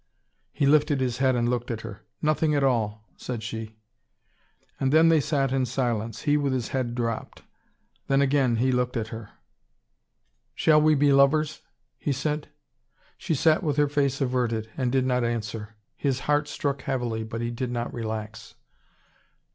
He lifted his head and looked at her. "Nothing at all," said she. And then they sat in silence, he with his head dropped. Then again he looked at her. "Shall we be lovers?" he said. She sat with her face averted, and did not answer. His heart struck heavily, but he did not relax.